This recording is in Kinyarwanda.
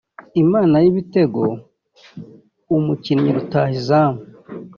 Imana y’ibitego (Umukinnyi rutahizamu